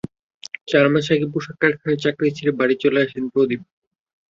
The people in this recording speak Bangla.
চার মাস আগে পোশাক কারখানার চাকরি ছেড়ে বাড়ি চলে আসেন প্রদীপ।